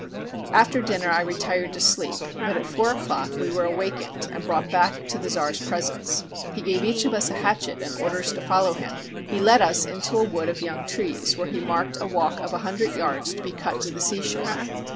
After dinner I retired to sleep, but at four o'clock we were awakened and brought back to the czar's presence. He gave us each a hatchet and orders to follow him. He led us into a wood of young trees, where he marked a walk of a hundred yards to be cut to the seashore.